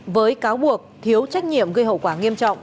với cáo buộc thiếu trách nhiệm gây hậu quả nghiêm trọng